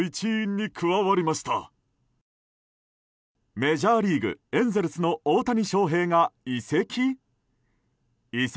メジャーリーグエンゼルスの大谷翔平が移籍？